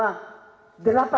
delapan puluh tahun misalnya